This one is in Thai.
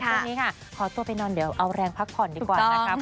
ช่วงนี้ค่ะขอตัวไปนอนเดี๋ยวเอาแรงพักผ่อนดีกว่านะครับ